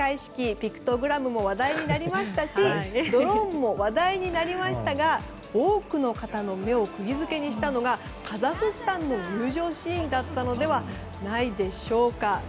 ピクトグラムも話題になりましたしドローンも話題になりましたが多くの方の目を釘付けにしたのがカザフスタンの入場シーンだったのではないでしょうか。